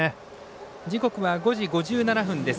時刻は５時５７分です。